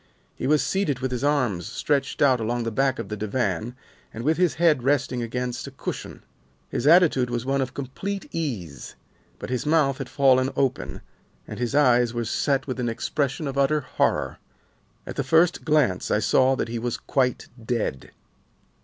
"He was seated with his arms stretched out along the back of the divan, and with his head resting against a cushion. His attitude was one of complete ease. But his mouth had fallen open, and his eyes were set with an expression of utter horror. At the first glance I saw that he was quite dead.